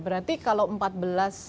berarti kalau empat belas